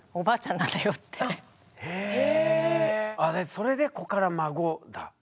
それで「子から孫」だ。